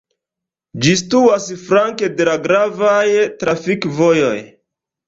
Ĝi situas flanke de la gravaj trafikvojoj.